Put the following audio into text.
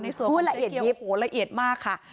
ในส่วนของเจ้าเกียรติโหละเอียดมากค่ะ